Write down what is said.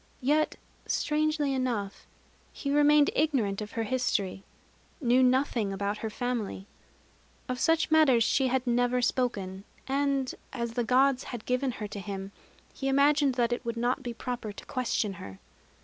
Yet, strangely enough, he remained ignorant of her history, knew nothing about her family. Of such matters she had never spoken; and, as the Gods had given her to him, he imagined that it would not be proper to question her.